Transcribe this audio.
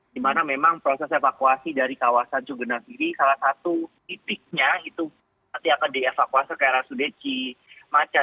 di mana memang proses evakuasi dari kawasan cugenang ini salah satu titiknya itu nanti akan dievakuasi ke rsud cimacan